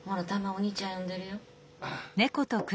お兄ちゃん呼んでるよ。